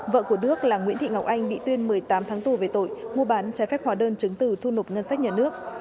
vợ của đức là nguyễn thị ngọc anh bị tuyên một mươi tám tháng tù về tội mua bán trái phép hóa đơn chứng từ thu nộp ngân sách nhà nước